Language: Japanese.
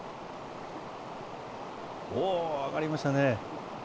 おー、上がりましたね。